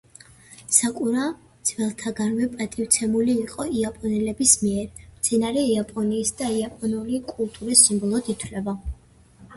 საკურა ძველთაგანვე პატივცემული იყო იაპონელების მიერ, მცენარე იაპონიისა და იაპონური კულტურის სიმბოლოდ ითვლება.